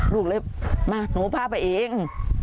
ลูกเลยมาหนูพาไปเอง